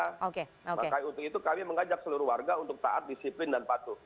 makanya untuk itu kami mengajak seluruh warga untuk taat disiplin dan patuh